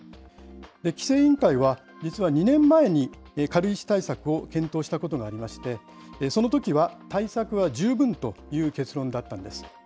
規制委員会は、実は２年前に軽石対策を検討したことがありまして、そのときは、対策は十分という結論だったんです。